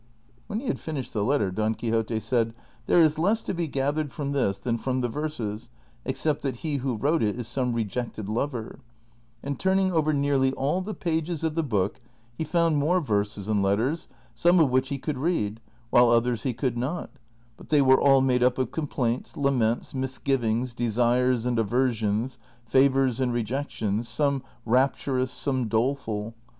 When he had finished the letter, Don Quixote said, " There is less to be gathered from this than from the verses, except that he who wrote it is some rejected lover ;" and turning over nearly all the pages of the book he found more verses and let ters, some of which he could read, while others he could not : but they were all made up of com^jlaints, laments, misgivings, desires and aversions, favors and rejections, some rapturous, some doleful.